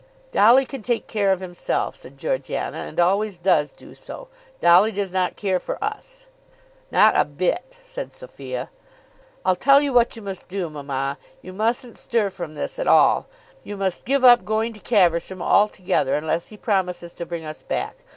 "Dolly can take care of himself," said Georgiana, "and always does do so. Dolly does not care for us." "Not a bit," said Sophia. "I'll tell you what you must do, mamma. You mustn't stir from this at all. You must give up going to Caversham altogether, unless he promises to bring us back.